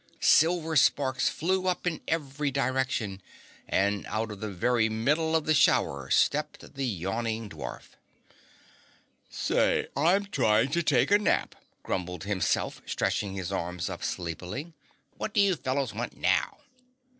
Silver sparks flew up in every direction and out of the very middle of the shower stepped the yawning dwarf. "Say, I'm trying to take a nap," grumbled Himself, stretching his arms up sleepily. "What do you fellows want now?"